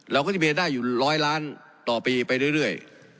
เราก็จะมีรายได้อยู่ร้อยล้านต่อปีไปเรื่อย